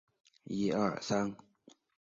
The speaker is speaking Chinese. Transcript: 其他国家也有类似认证奖项。